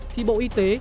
thì bộ y tế